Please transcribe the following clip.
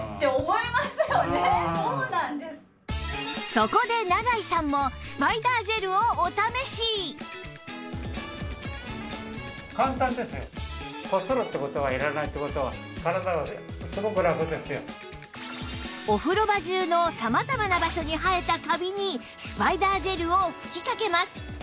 そこで永井さんもお風呂場中の様々な場所に生えたカビにスパイダージェルを吹きかけます